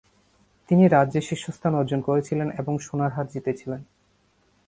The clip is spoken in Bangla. তিনি রাজ্যে শীর্ষস্থান অর্জন করেছিলেন এবং সোনার হার জিতেছিলেন।